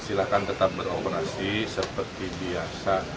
silahkan tetap beroperasi seperti biasa